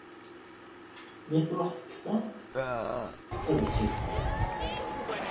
Mi truḥ tekfa, ad as-yexlef.